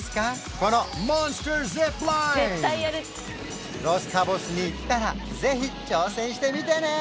この絶対やるロス・カボスに行ったらぜひ挑戦してみてね！